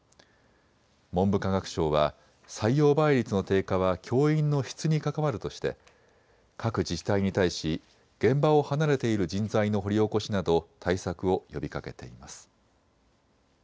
文部科学省は採用倍率の低下は教員の質に関わるとして各自治体に対し現場を離れている人材の掘り起こしなど対策を呼びかけています。